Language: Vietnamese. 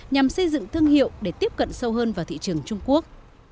nhằm xây dựng thương hiệu để tiếp cận sâu hơn vào thị trường trung quốc